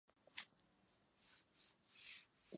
Tuvo su redacción en la calle de los Leones, núm.